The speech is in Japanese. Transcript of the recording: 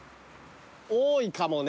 多いかもね。